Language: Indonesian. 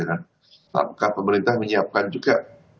apakah pemerintah menyiapkan juga